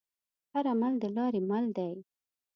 هر عمل دلارې مل دی.